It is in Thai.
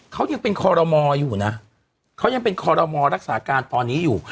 เขายังเป็นคอรมออยู่นะเขายังเป็นคอรมอรักษาการตอนนี้อยู่